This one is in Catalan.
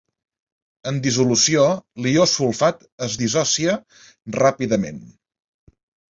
En dissolució, l'ió sulfat es dissocia ràpidament.